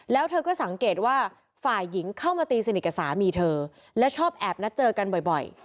แล้วเธอก็สังเกตว่าฝ่ายหญิงเข้ามาตีสนิทกับสามีเธอและชอบแอบนัดเจอกันบ่อย